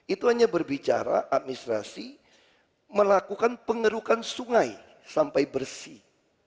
itu hanya berbicara administrasi melakukan pengerukan sungai sampai bersih